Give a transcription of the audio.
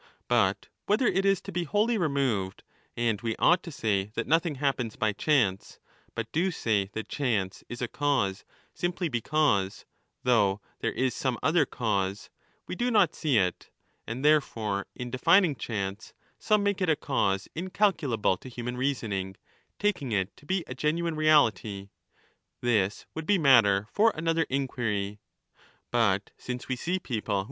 But whether it is to be wholly removed, r and we ot/^ki to say that nothing happens by chance, but do say that chance is a cause simply because, though there is some other cause, we do not see it (and therefore, in defining chance, some make it a cause incalculable to human reasoning, taking it to be a genuine reality) — this would be ^ Omitting noXv (MSS.)